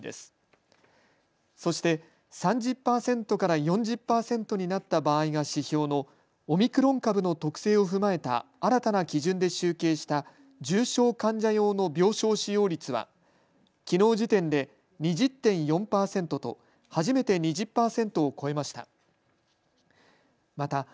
そして３０％から４０％になった場合が指標のオミクロン株の特性を踏まえた新たな基準で集計した重症患者用の病床使用率はきのう時点で２０．４％と初めて２０％を超えました。